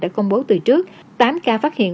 đã công bố từ trước tám ca phát hiện